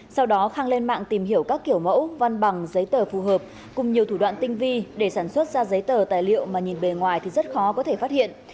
sau đó khang lên mạng tìm hiểu các kiểu mẫu văn bằng giấy tờ phù hợp cùng nhiều thủ đoạn tinh vi để sản xuất ra giấy tờ tài liệu mà nhìn bề ngoài thì rất khó có thể phát hiện